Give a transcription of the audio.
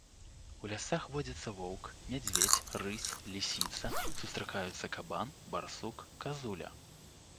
У лясах водзяцца воўк, мядзведзь, рысь, лісіца, сустракаюцца кабан, барсук, казуля.